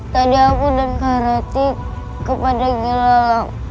tadi aku dan kak rati kepada gilalang